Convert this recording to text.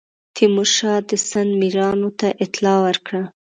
تیمورشاه د سند میرانو ته اطلاع ورکړه.